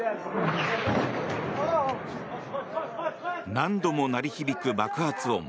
何度も鳴り響く爆発音。